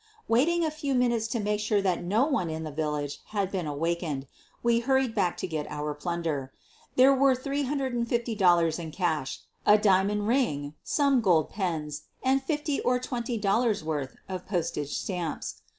Waiting a few minutes to make sure that no one in the village had been awakened, we hurried back to get our plunder. There were $350 in cash, a dia mond ring, some gold pens, and fifteen or twenty dollars' worth of postage stamps.